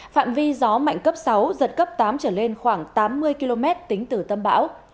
phạm vi gió mạnh cấp sáu giật cấp tám trở lên khoảng tám mươi km tính từ tâm bão